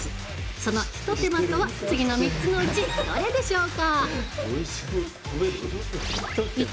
そのひと手間とは次の３つのうちどれでしょうか？